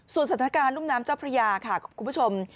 สถานการณ์รุ่มน้ำเจ้าพระยาค่ะคุณผู้ชม